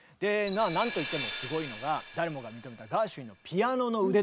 なんといってもすごいのが誰もが認めたガーシュウィンのピアノの腕ですよ。